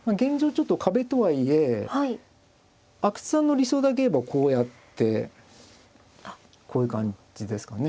ちょっと壁とはいえ阿久津さんの理想だけ言えばこうやってこういう感じですかね。